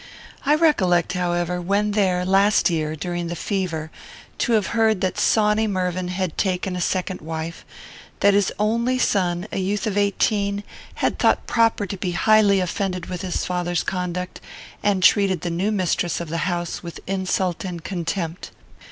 I recollect, however, when there, last year, during the fever, to have heard that Sawny Mervyn had taken a second wife; that his only son, a youth of eighteen, had thought proper to be highly offended with his father's conduct, and treated the new mistress of the house with insult and contempt.